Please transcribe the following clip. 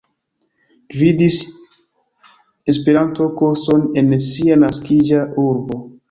Gvidis E-kurson en sia naskiĝa urbo.